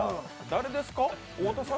誰ですか？